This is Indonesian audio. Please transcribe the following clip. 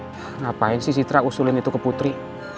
kenapain sih sitra usulin itu ke putri